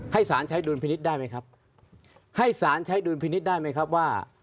ให้สารใช้ดุลพินิษฐ์ได้ไหมครับให้สารใช้ดุลพินิษฐ์ได้ไหมครับว่า